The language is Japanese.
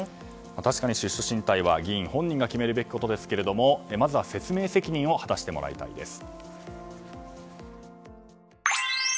確かに出処進退は議員本人が決めることですがまずは説明責任を果たしてもらいたいです。